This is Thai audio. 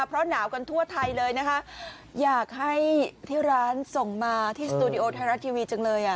เพราะหนาวกันทั่วไทยเลยนะคะอยากให้ที่ร้านส่งมาที่สตูดิโอไทยรัฐทีวีจังเลยอ่ะ